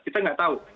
kita nggak tahu